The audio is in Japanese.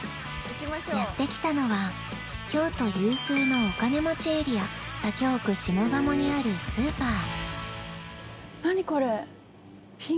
やって来たのは京都有数のお金持ちエリア左京区下鴨にあるスーパー